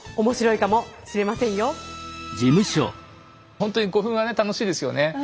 ほんとに古墳はね楽しいですよね。